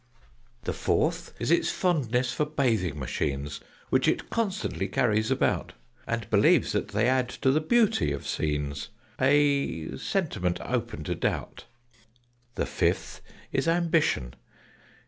"The fourth is its fondness for bathing machines, Which it constantly carries about, And believes that they add to the beauty of scenes A sentiment open to doubt. "The fifth is ambition.